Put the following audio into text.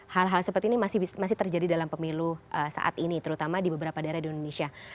hal hal seperti ini masih terjadi dalam pemilu saat ini terutama di beberapa daerah di indonesia